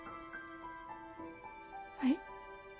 はい。